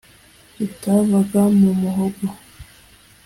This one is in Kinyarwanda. bitavaga mu muhogo